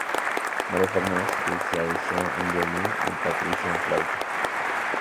María Fernanda se especializó en el violín y Patricia en la flauta.